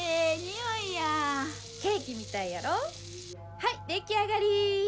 はい出来上がり。